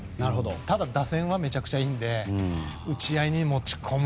ただ、打線はめちゃくちゃいいので打ち合いに持ち込む。